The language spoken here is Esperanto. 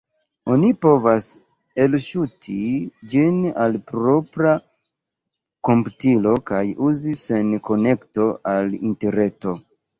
Oni povas elŝuti ĝin al propra komputilo kaj uzi sen konekto al Interreto.